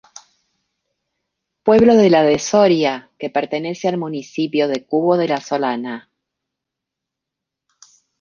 Pueblo de la de Soria que pertenece al municipio de Cubo de la Solana.